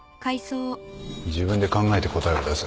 自分で考えて答えを出せ